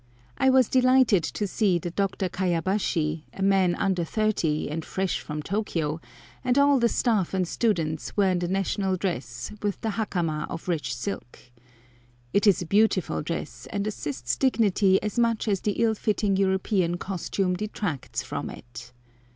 I was delighted to see that Dr. Kayabashi, a man under thirty, and fresh from Tôkiyô, and all the staff and students were in the national dress, with the hakama of rich silk. It is a beautiful dress, and assists dignity as much as the ill fitting European costume detracts from it.